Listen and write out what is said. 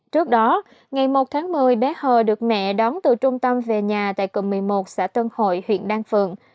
trước đó ngày một tháng một mươi bé hờ được mẹ đón từ trung tâm về nhà tại cộng một mươi một xã tân hội huyện đan phượng